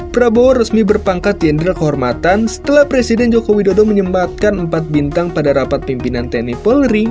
prabowo resmi berpangkat jenderal kehormatan setelah presiden joko widodo menyempatkan empat bintang pada rapat pimpinan tni polri